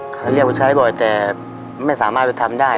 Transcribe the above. เขาเรียกว่าใช้บ่อยแต่ไม่สามารถไปทำได้